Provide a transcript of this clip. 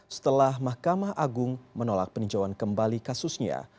setelah mahkamah agung menolak peninjauan kembali kasusnya